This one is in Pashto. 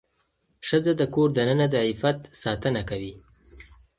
ښځه د کور دننه د عفت ساتنه کوي.